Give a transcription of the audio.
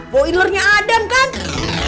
boilernya adam ganti